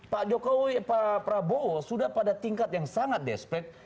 pak prabowo sudah pada tingkat yang sangat despekt